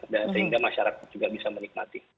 dan sehingga masyarakat juga bisa menikmati